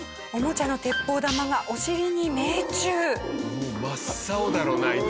もう真っ青だろうなあいつ。